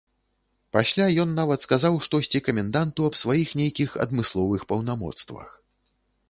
Пасля ён нават сказаў штосьці каменданту аб сваіх нейкіх адмысловых паўнамоцтвах.